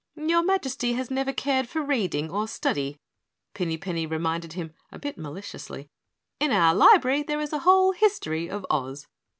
"Your Majesty has never cared for reading or study," Pinny Penny reminded him a bit maliciously. "In our library there is a whole history of Oz."